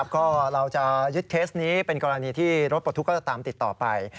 ก็เราจะยึดเคสนี้เป็นกรณีที่รถปลดทุกข์ก็จะตามติดต่อไป